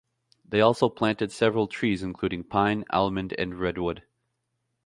They also planted several trees, including pine, almond, and redwood.